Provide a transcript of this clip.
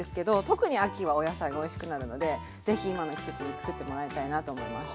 特に秋はお野菜がおいしくなるのでぜひ今の季節に作ってもらいたいなと思います。